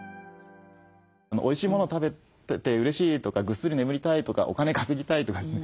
おいしい物を食べててうれしいとかぐっすり眠りたいとかお金稼ぎたいとかですね